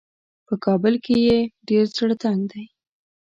په کابل کې یې ډېر زړه تنګ دی.